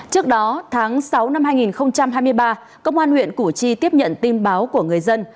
trước đó tháng sáu năm hai nghìn hai mươi ba công an huyện củ chi tiếp nhận tin báo của người dân